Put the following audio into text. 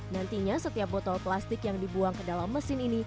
nantinya setiap botol plastik yang dibuang ke dalam mesin ini